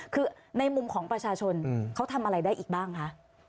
คือในมุมของประชาชนเขาทำอะไรได้อีกบ้างคะ